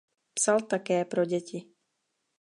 Psal také pro děti.